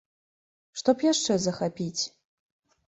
Што б яшчэ захапіць?